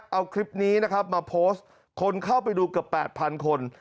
เอาคลิปนี้นะครับมาโพสต์คนเข้าไปดูเกือบ๘๐๐คน